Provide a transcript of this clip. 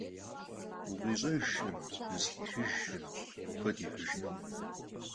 УкъищӀэжкъым, узэхихыжкъым, куэд ихьыжынукъым.